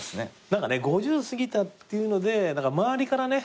何かね５０過ぎたっていうので周りからね